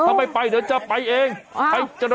ถ้าไม่ไปเดี๋ยวจะไปเอง